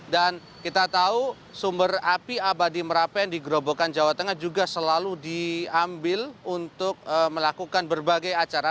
dan kita tahu sumber api abadi merapen di gerobokan jawa tengah juga selalu diambil untuk melakukan berbagai acara